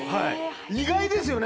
意外ですよね